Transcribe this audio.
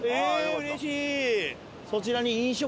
うれしい！